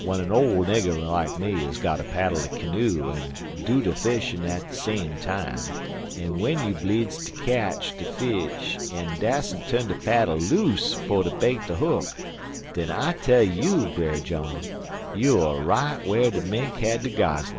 W'en a ole nigger like me is gotter paddle de canoe an' do de fishin' at de same time, an' w'en you bleedzd ter ketch de fish an' dassent turn de paddle loose fer ter bait de hook, den I tell you, Brer John, you er right whar de mink had de goslin'.